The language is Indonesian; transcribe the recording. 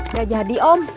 nggak jadi om